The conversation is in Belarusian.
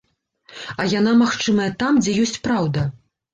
А яна магчымая там, дзе ёсць праўда.